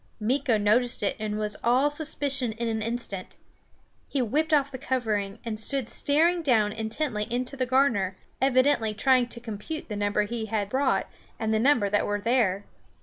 Meeko noticed it and was all suspicion in an instant. He whipped off the covering and stood staring down intently into the garner, evidently trying to compute the number he had brought and the number that were there.